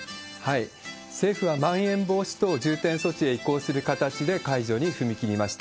政府はまん延防止等重点措置へ移行する形で解除に踏み切りました。